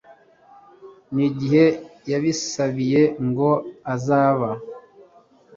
n igihe yabisabiye ngo azaba